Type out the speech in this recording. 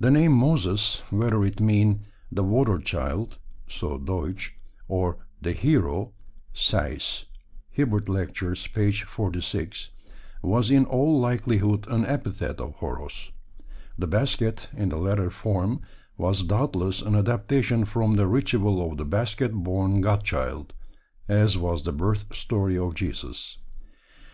The name Moses, whether it mean "the water child" (so Deutsch) or "the hero" (Sayce, Hib. Lect. p. 46), was in all likelihood an epithet of Horos. The basket, in the latter form, was doubtless an adaptation from the ritual of the basket born God Child, as was the birth story of Jesus.